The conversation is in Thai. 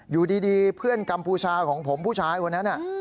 อยู่ดีเพื่อนกัมพูชาของผมผู้ชายคนนั้น